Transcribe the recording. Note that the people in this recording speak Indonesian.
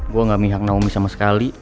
gue gak mihak naomi sama sekali